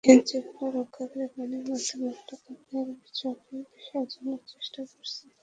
আইনশৃঙ্খলা রক্ষাকারী বাহিনীর মাধ্যমে আমরা তাঁদের অভিযোগের বিষয়ে জানার চেষ্টা করছি।